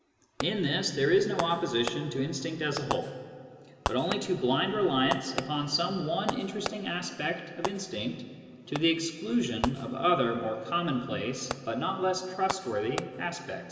In this there is no opposition to instinct as a whole, but only to blind reliance upon some one in teresting aspect of instinct to the exclusion of other more commonplace but not less trustworthy aspects.